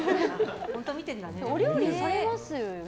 お料理されますよね。